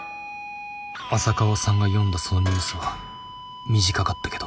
浅川さんが読んだそのニュースは短かったけど。